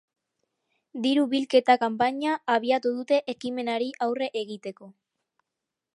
Diru-bilketa kanpaina abiatu dute ekimenari aurre egiteko.